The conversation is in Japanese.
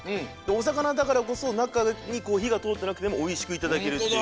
おさかなだからこそなかにひがとおってなくてもおいしくいただけるっていう。